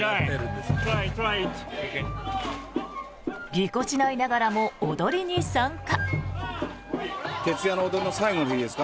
ぎこちないながらも踊りに参加。